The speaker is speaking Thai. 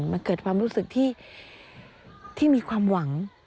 มันเกิดความรู้สึกที่มีความหวัง